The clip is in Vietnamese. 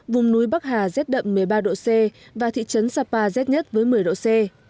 vùng núi bắc hà rét đậm một mươi ba độ c và thị trấn sapa rét nhất với một mươi độ c